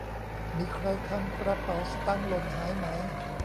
มีใครทำกระเป๋าสตางค์หล่นหายไหม